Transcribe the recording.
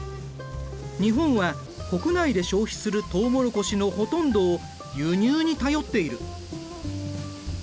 日本は国内で消費するとうもろこしのほとんどを輸入に頼っている。